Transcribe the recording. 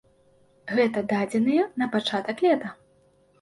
Гэта дадзеныя на пачатак лета.